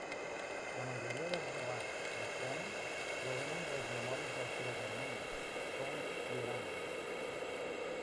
La majoria dels relats de Song provenen de les memòries de la seva germana, Song Hye-rang.